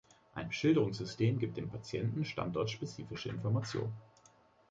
Ein Beschilderungssystem gibt den Patienten standortspezifische Informationen.